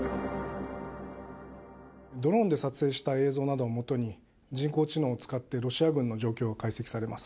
ドローンで撮影した映像などをもとに、人工知能を使ってロシア軍の状況が解析されます。